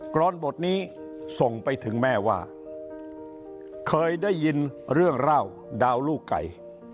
รอนบทนี้ส่งไปถึงแม่ว่าเคยได้ยินเรื่องเล่าดาวลูกไก่